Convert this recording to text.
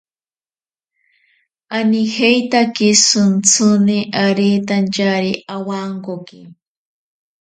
Anijeitake shintsini aretantyari awankoki.